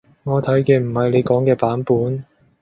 我睇嘅唔係你講嘅版本